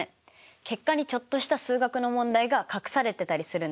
結果にちょっとした数学の問題が隠されてたりするんです。